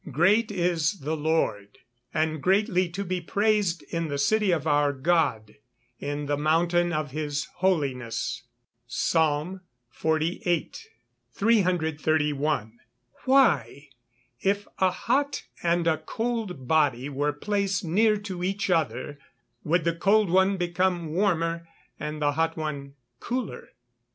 [Verse: "Great is the Lord, and greatly to be praised in the city of our God, in the mountain of his holiness." PSALM XLVIII.] 331. _Why, if a hot and a cold body were placed near to each other, would the cold one become warmer, and the hot one cooler?